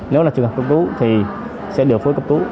nếu là trường hợp cấp cứu thì sẽ điều phối cấp cứu